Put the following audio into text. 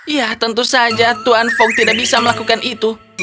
ya tentu saja tuan fog tidak bisa melakukan itu